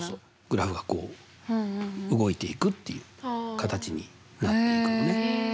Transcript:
グラフがこう動いていくっていう形になっていくのね。